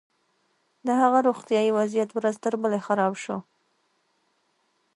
د هغه روغتيايي وضعيت ورځ تر بلې خراب شو.